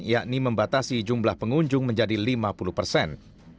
yakni membatasi jumlah pengunjung menjadi lima puluh persen